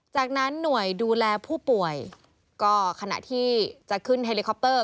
จากนั้นหน่วยดูแลผู้ป่วยก็ขณะที่จะขึ้นเฮลิคอปเตอร์